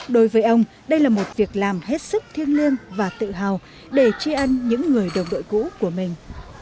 đối với ông đây là một việc làm hết sức thiêng lương và tự hào để tri ân những người đồng đội cũ của mình